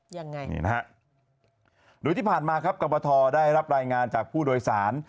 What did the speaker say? ยังไงนี่นะฮะโดยที่ผ่านมาครับกรบทได้รับรายงานจากผู้โดยสาร